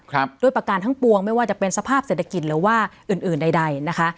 ด้วยประการทั้งปวงไม่ว่าจะเป็นสภาพเศรษฐกิจหรือว่าอื่นอื่นใดใดนะคะ